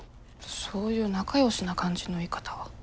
そういう仲よしな感じの言い方は。